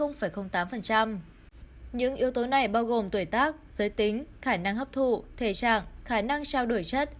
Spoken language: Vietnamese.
những yếu tố này bao gồm tuổi tác giới tính khả năng hấp thụ thể trạng khả năng trao đổi chất